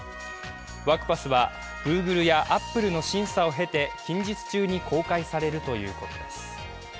ワクパスはＧｏｏｇｌｅやアップルの審査を経て、近日中に公開されるということです。